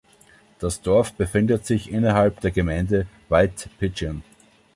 Das Dorf befindet sich innerhalb der Gemeinde White Pigeon.